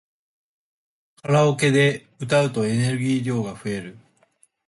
カラオケで歌うとエネルギー量が増える